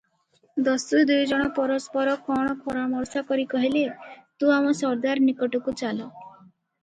ଦସ୍ୟୁ ଦୁଇ ଜଣ ପରସ୍ପର କଣ ପରାମର୍ଶ କରି କହିଲେ, "ତୁ ଆମ ସର୍ଦ୍ଦାର ନିକଟକୁ ଚାଲ ।